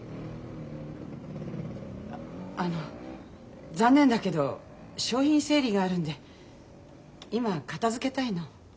あの残念だけど商品整理があるんで今片づけたいの。